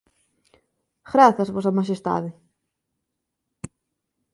Grazas, "Vosa Maxestade".